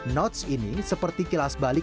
notes ini seperti kilas balik